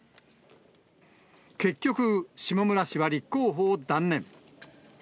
結局、下村氏は立候補を断念。